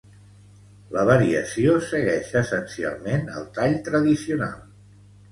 La variació segueix essencialment el tall tradicional.